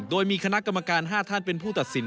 โดยมีคณะกรรมการ๕ท่านเป็นผู้ตัดสิน